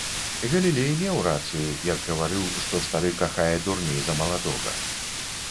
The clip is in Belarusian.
Галілей меў рацыю, як гаварыў, што стары кахае дурней за маладога.